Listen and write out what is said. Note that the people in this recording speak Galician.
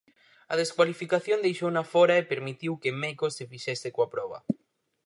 A descualificación deixouna fóra e permitiu que Mecos se fixese coa proba.